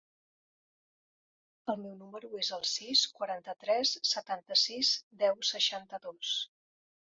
El meu número es el sis, quaranta-tres, setanta-sis, deu, seixanta-dos.